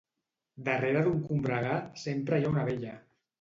Darrere d'un combregar sempre hi ha una vella.